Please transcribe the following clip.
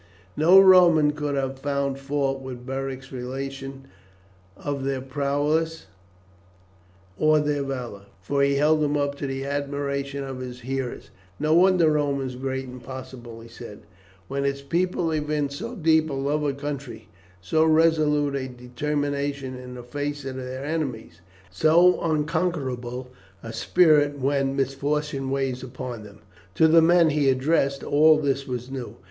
No Roman could have found fault with Beric's relation of their prowess or their valour; for he held them up to the admiration of his hearers. "No wonder Rome is great and powerful," he said, "when its people evince so deep a love of country, so resolute a determination in the face of their enemies, so unconquerable a spirit when misfortune weighs upon them." To the men he addressed all this was new.